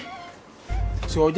tu kerasi gwman